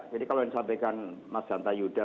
jadi kalau yang disampaikan mas hanta yuda